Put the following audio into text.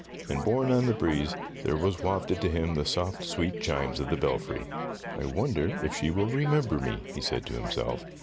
And borne on the breeze there was wafted to him the soft, sweet chimes of the belfry. "I wonder if she will remember me,'" he said to himself.